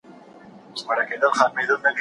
ساقي نن مي خړوب که شپه تر پایه مستومه